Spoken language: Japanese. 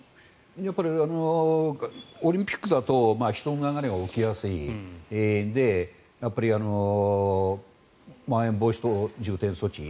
やっぱりオリンピックだと人の流れが起きやすいのでまん延防止等重点措置